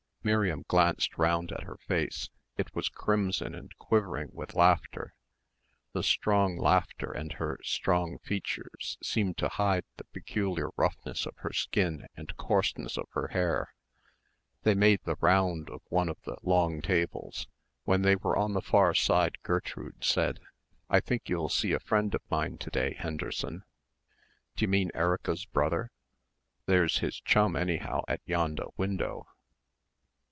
Miriam glanced round at her face. It was crimson and quivering with laughter. The strong laughter and her strong features seemed to hide the peculiar roughness of her skin and coarseness of her hair. They made the round of one of the long tables. When they were on the far side Gertrude said, "I think you'll see a friend of mine to day, Henderson." "D'you mean Erica's brother?" "There's his chum anyhow at yondah window."